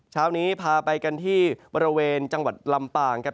เช้านี้พาไปกันที่บริเวณจังหวัดลำปางครับ